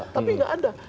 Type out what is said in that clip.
tapi nggak ada